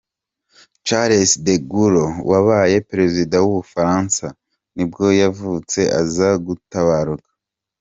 Charles de Gaulle, wabaye perezida w’ubufaransa nibwo yavutse aza gutabaruka mu .